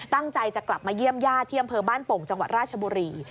ตั้งใจจะกลับมาเยี่ยมญาติที่อำเภอบ้านโป่งจังหวัดราชบุรี